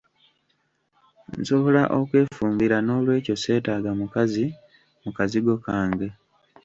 Nsobola okwefumbira nolwekyo seetaaga mukazi mukazigo kange.